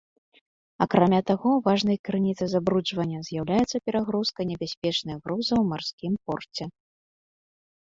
Акрамя таго, важнай крыніцай забруджвання з'яўляецца перагрузка небяспечных грузаў у марскім порце.